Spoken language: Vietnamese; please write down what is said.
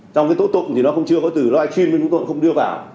trong cái tố tụng thì nó không chưa có từ livestream tố tụng không đưa vào